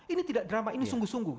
ini tidak drama ini sungguh sungguh